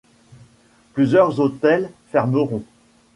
Plusieurs hôtels fermeront.